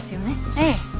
ええ。